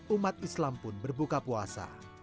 umat islam pun berbuka puasa